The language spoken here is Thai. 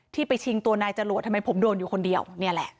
ไปชิงตัวนายจรวดทำไมผมโดนอยู่คนเดียวนี่แหละ